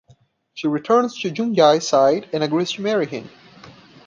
She returns to Jung-jae's side and agrees to marry him.